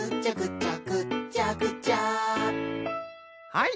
はい！